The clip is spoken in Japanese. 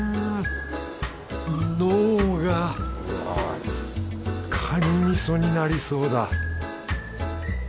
脳がカニ味噌になりそうだ